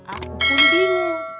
aku pun bingung